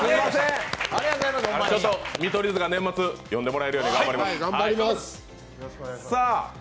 見取り図が年末、呼んでもらえるように頑張ります。